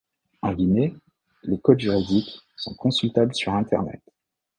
En Guinée, les codes juridiques sont consultables sur internet.